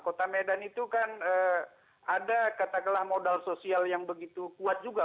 kota medan itu kan ada katakanlah modal sosial yang begitu kuat juga